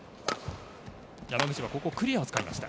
山口はここ、クリアを使いました。